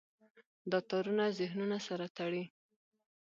دا تارونه ذهنونه سره تړي.